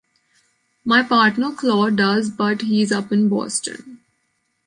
My partner Klaw does-but "he's" up in Boston!